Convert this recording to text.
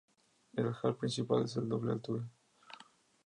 El hall Principal es de doble altura.